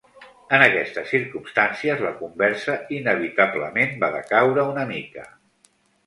En aquestes circumstàncies, la conversa inevitablement va decaure una mica.